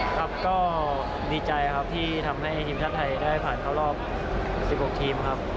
ครับก็ดีใจครับที่ทำให้ทีมชาติไทยได้ผ่านเข้ารอบ๑๖ทีมครับ